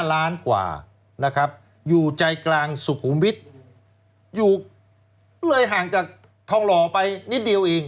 ล้านกว่านะครับอยู่ใจกลางสุขุมวิทย์อยู่เลยห่างจากทองหล่อไปนิดเดียวเอง